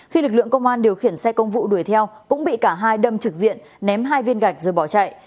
khi lực lượng công an điều khiển xe công vụ đuổi theo cũng bị cả hai đâm trực diện ném hai viên gạch rồi bỏ chạy